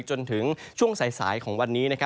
จนถึงช่วงสายของวันนี้